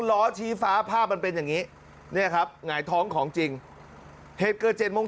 ล้อชี้ฟ้าภาพมันเป็นอย่างนี้เนี่ยครับหงายท้องของจริงเหตุเกิด๗โมง